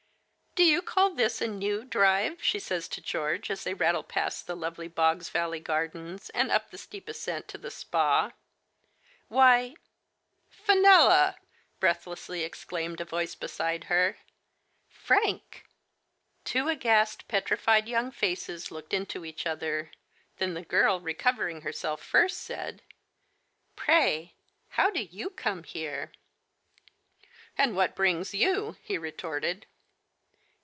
" Do you call this a new drive ?" she says to George, as they rattle past the lovely Bogs Valley Gardens, and up the steep ascent to the Spa. "Why "" Fenella !*' breathlessly exclaimed a voice be side her. " Frankr Two aghast, petrified young faces looked into each other ; then the girl, recovering herself first, said: " Pray, how do you come here ?" And what brings you ?" he retorted.